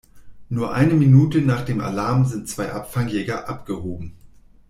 Nur eine Minute nach dem Alarm sind zwei Abfangjäger abgehoben.